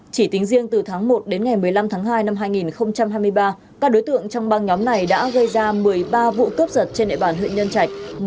chỉ tính riêng từ tháng một đến ngày một mươi năm tháng hai năm hai nghìn hai mươi ba các đối tượng trong băng nhóm này đã gây ra một mươi ba vụ cướp giật trên địa bàn huyện nhân trạch